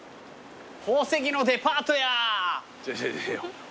宝石のデパートや！